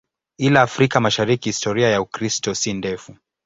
Ila Afrika Mashariki historia ya Ukristo si ndefu.